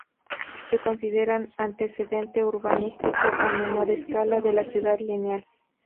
Se consideran antecedente urbanístico a menor escala, de la Ciudad Lineal.